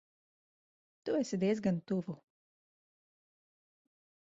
Tu esi diezgan tuvu.